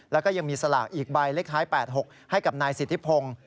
แล้วก็ยังมีสลากอีกใบเลขท้าย๘๖ให้กับนายสิทธิพงศ์